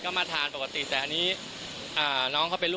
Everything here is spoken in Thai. ความเจริญช้ามาเห็นน้องก็คือตกใจ